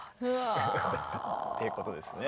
すごい。ということですね。